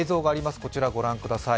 こちらご覧ください。